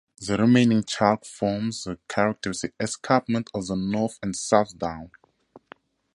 The remaining chalk forms the characteristic escarpments of the North and South Downs.